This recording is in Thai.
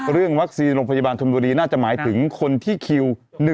เรื่องวัคซีนโรงพยาบาลชนบุรีน่าจะหมายถึงคนที่คิว